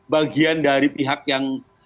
bagian dari pihak yang